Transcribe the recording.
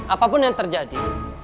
apapun yang terjadi